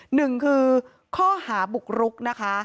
หนึ่งคือข้อหาบุกรุกนะคะ